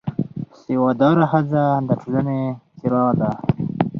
سواد داره ښځه د ټولنې څراغ ده